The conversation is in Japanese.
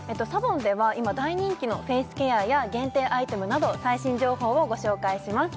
ＳＡＢＯＮでは今大人気のフェイスケアや限定アイテムなど最新情報をご紹介します